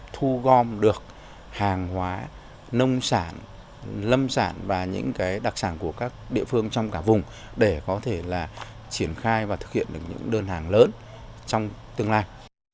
thu gom được hàng hóa nông sản lâm sản và những đặc sản của các địa phương trong cả vùng để có thể là triển khai và thực hiện được những đơn hàng lớn trong tương lai